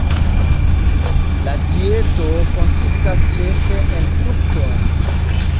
La dieto konsistas ĉefe el fruktoj.